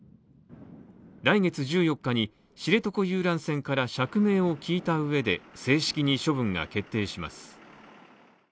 来月１４日に知床遊覧船から釈明を聞いた上で正式に処分が決定します。